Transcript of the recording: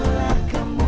itulah kemuliaan ramadhan